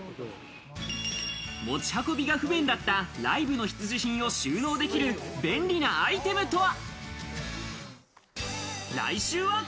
持ち運びが不便だった、ライブの必需品を収納できる便利なアイテムとは？